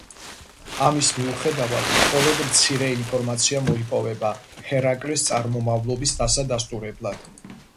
ამის მიუხედავად, მხოლოდ მცირე ინფორმაცია მოიპოვება ჰერაკლეს წარმომავლობის დასადასტურებლად.